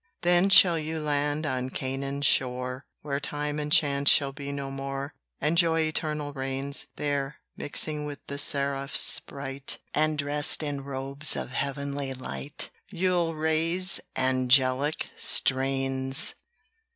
Then shall you land on Canaan's shore, Where time and chance shall be no more, And joy eternal reigns; There, mixing with the seraphs bright, And dressed in robes of heavenly light, You'll raise angelic strains.